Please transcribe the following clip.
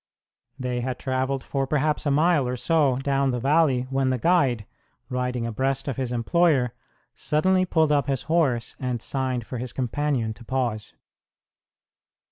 They had travelled for perhaps a mile or so down the valley when the guide, riding abreast of his employer, suddenly pulled up his horse and signed for his companion to pause.